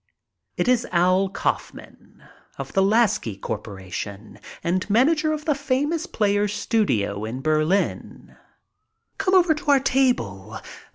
It is Al Kaufman of the Lasky corporation and manager of the Famous Players studio in Berlin. *' Come over to our table.